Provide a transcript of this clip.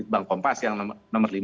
bank kompas yang nomor lima